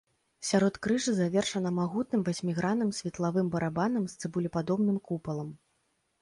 Сяродкрыжжа завершана магутным васьмігранным светлавым барабанам з цыбулепадобным купалам.